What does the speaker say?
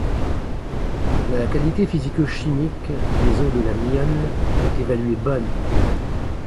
La qualité physico-chmique des eaux de la Mionne est évaluée bonne.